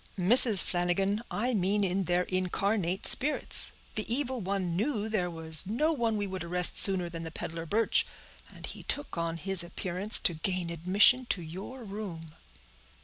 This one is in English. "Mrs. Flanagan, I mean in their incarnate spirits; the evil one knew there was no one we would arrest sooner than the peddler Birch, and he took on his appearance to gain admission to your room."